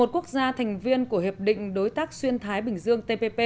một mươi một quốc gia thành viên của hiệp định đối tác xuyên thái bình dương